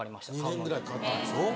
２年ぐらいかかるでしょ。